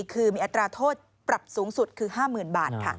คือมีอัตราโทษปรับสูงสุดคือ๕๐๐๐บาทค่ะ